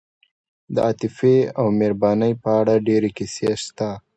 د عاطفې او مهربانۍ په اړه ډېرې کیسې شته.